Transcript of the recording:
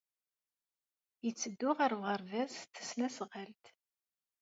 Yetteddu ɣer uɣerbaz s tesnasɣalt.